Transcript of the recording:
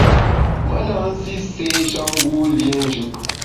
Me na nsi séé-sha ngu liénjù.